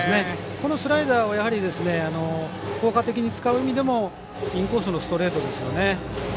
このスライダーをやはり効果的に使う意味でもインコースのストレートですよね。